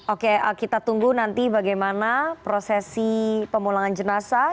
oke kita tunggu nanti bagaimana prosesi pemulangan jenazah